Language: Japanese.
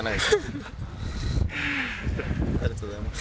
ありがとうございます。